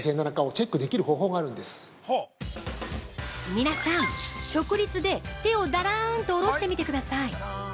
◆皆さん、直立で手をだらんとおろしてみてください。